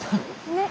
ねっ。